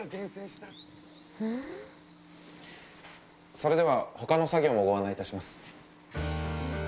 それでは他の作業もご案内いたします。